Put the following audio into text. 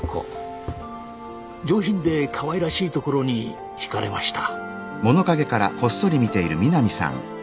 上品でかわいらしいところに惹かれました。